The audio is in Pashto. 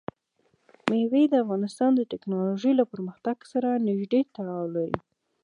مېوې د افغانستان د تکنالوژۍ له پرمختګ سره نږدې تړاو لري.